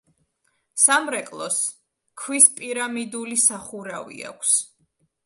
სამრეკლოს ქვის პირამიდული სახურავი აქვს.